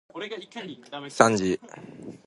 さんじ